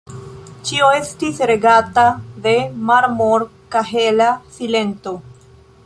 Ĉio estis regata de marmor-kahela silento.